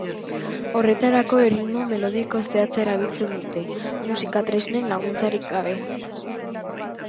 Horretarako erritmo melodiko zehatza erabiltzen dute, musika-tresnen laguntzarik gabe.